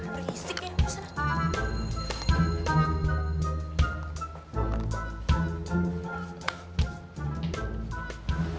berisik ya kesana